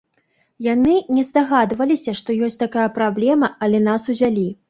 Яны не здагадваліся, што ёсць такая праблема, але нас узялі.